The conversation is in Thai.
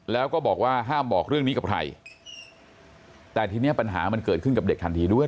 แล้วก็บอกว่าห้ามบอกเรื่องนี้กับใครแต่ทีนี้ปัญหามันเกิดขึ้นกับเด็กทันทีด้วย